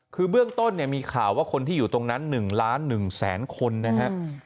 คือเบื้องต้นเนี่ยมีข่าวว่าคนที่อยู่ตรงนั้น๑ล้าน๑แสนคนนะฮะ